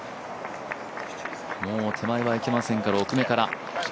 もう手前はいけませんから奥目から。